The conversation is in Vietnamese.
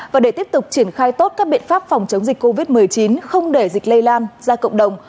và để tiếp tục triển khai tốt các biện pháp phòng chống dịch covid một mươi chín không để dịch lây lan ra cộng đồng